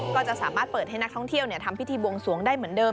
ก็จะสามารถเปิดให้นักท่องเที่ยวทำพิธีบวงสวงได้เหมือนเดิม